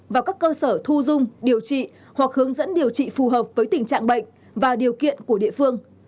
vào các cơ sở thu dung điều trị hoặc hướng dẫn điều trị phù hợp với tình trạng bệnh và điều kiện của địa phương